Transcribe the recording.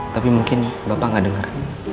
tapi mungkin bapak gak denger